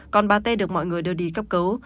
còn bà tê được mọi người đưa đi cấp cứu